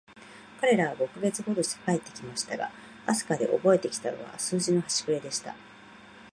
彼等は五ヵ月ほどして帰って来ましたが、飛島でおぼえて来たのは、数学のはしくれでした。